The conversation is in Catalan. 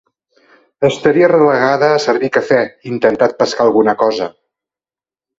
Estaria relegada a servir cafè, intentat pescar alguna cosa.